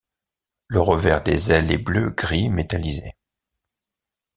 Le revers des ailes est bleu gris métallisé.